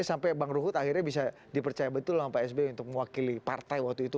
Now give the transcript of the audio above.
sampai bang ruhut akhirnya bisa dipercaya betul sama pak sby untuk mewakili partai waktu itu